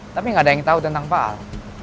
tapi nggak ada yang tahu tentang pak al